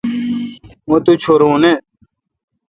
مہ تو چورو نہ۔